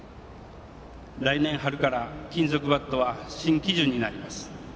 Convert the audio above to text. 来年春から金属バットは新基準になります。